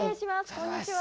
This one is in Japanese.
こんにちは。